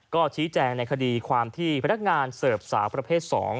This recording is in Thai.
ก็ชี้แจงในคดีความที่พนักงานเสิร์ฟสาวประเภท๒